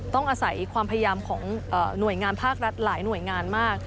ต้องอาศัยความพยายามของหน่วยงานภาครัฐหลายหน่วยงานมาก